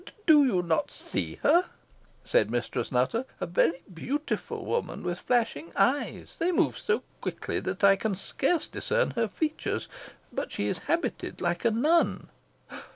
"Do you not see her?" said Mistress Nutter; "a very beautiful woman with flashing eyes: they move so quickly, that I can scarce discern her features; but she is habited like a nun."